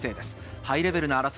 ハイレベルな争い。